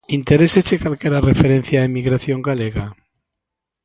Interésache calquera referencia á emigración galega?